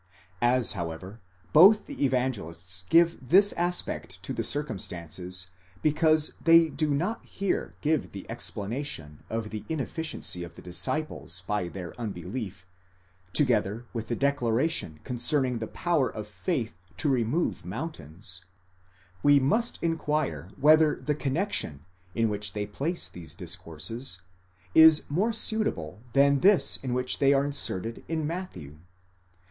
As however both the Evangelists give this aspect to the circumstances, because they do not here give the explanation of the inefficiency of the disciples by their unbelief, to gether with the declaration concerning the power of faith to remove moun tains: we must inquire whether the connexion in which they place these dis courses is more suitable than this in which they are inserted by Matthew.